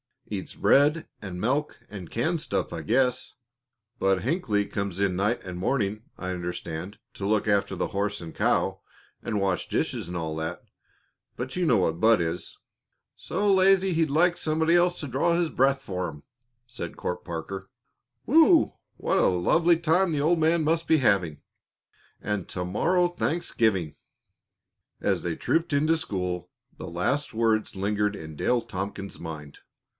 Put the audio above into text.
"Eats bread and milk and canned stuff, I guess. Bud Hinckley comes in night and morning, I understand, to look after the horse and cow and wash dishes and all that, but you know what Bud is." "So lazy he'd like somebody else to draw his breath for him!" said Court Parker, promptly. "Whew! What a lovely time the old man must be having and to morrow Thanksgiving!" As they trooped into school, the last words lingered in Dale Tompkins's mind.